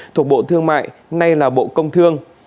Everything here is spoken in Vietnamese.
thuộc bộ thương mại nay là bộ công thương